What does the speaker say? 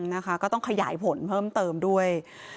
นะคะก็ต้องขยายผลเพิ่มเติมด้วย